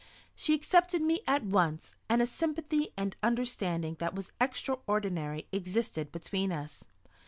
She accepted me at once, and a sympathy and understanding that was extraordinary existed between us.